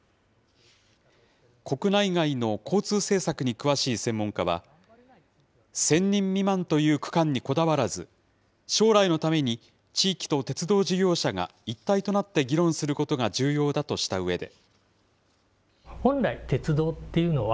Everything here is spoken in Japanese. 国内外の交通政策に詳しい専門家は、１０００人未満という区間にこだわらず、将来のために地域と鉄道事業者が一体となって議論することが重要だとしたうえで。